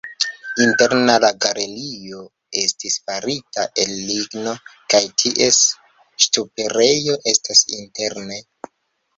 Interne la galerio estis farita el ligno kaj ties ŝtuperejo estas interne.